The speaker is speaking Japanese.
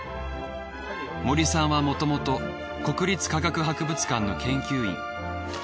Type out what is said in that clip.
森さんはもともと国立科学博物館の研究員。